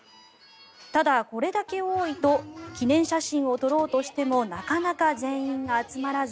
ただ、これだけ多いと記念写真を撮ろうとしてもなかなか全員が集まらず